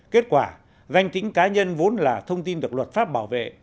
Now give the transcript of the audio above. kết quả danh tính cá nhân vốn là thông tin được luật pháp bảo vệ